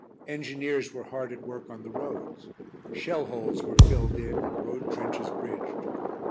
Engineers were hard at work on the roads; shell holes were filled in and road trenches bridged.